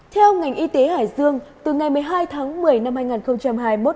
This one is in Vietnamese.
theo ngành y tế hải dương từ ngày một mươi hai tháng một mươi năm hai nghìn hai mươi một